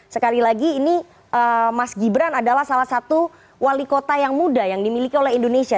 sekali lagi ini mas gibran adalah salah satu wali kota yang muda yang dimiliki oleh indonesia